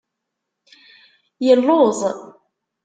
Illuẓ.